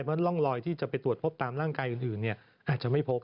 เพราะร่องรอยที่จะไปตรวจพบตามร่างกายอื่นอาจจะไม่พบ